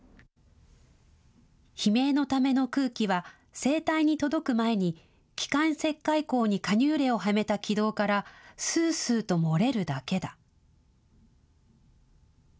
悲鳴のための空気は声帯に届く前に気管切開開口にカニューレを嵌めた気道からすうすうと漏れるだけだ。